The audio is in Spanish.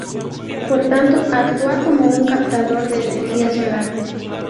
Por tanto, actúa como un captador de energía solar.